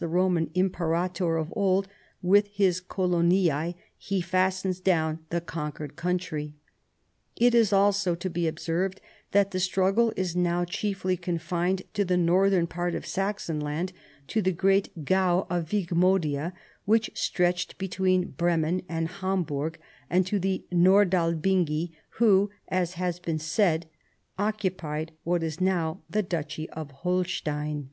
the Koman imjperator of old with his coloniw, he fastens clown the conquered country. It is also to be observed that the struggle is now chiefly confined to the northern part of Saxon land, to the great gate of Wigraodia, which stretched between Bremen and Hamburg, and to the Nordalbingi who, as has been said, occupied what is now the duchy of Holstein.